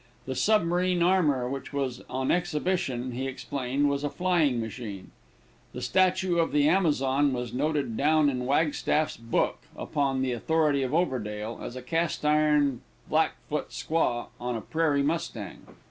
The submarine armor which was on exhibition, he explained was a flying machine. The statue of the Amazon was noted down in Wagstaff's book, upon the authority of Overdale, as a cast iron black foot squaw, on a prairie mustang.